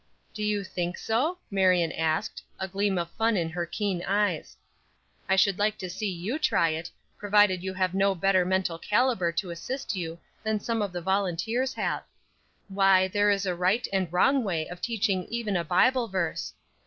"Do you think so?" Marion asked, a gleam of fun in her keen eyes. "I should like to see you try it, provided you have no better mental caliber to assist you than some of the volunteers have. Why, there is a right and wrong way of teaching even a Bible verse.